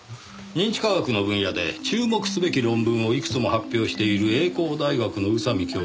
認知科学の分野で注目すべき論文をいくつも発表している栄光大学の宇佐美教授でしょうか。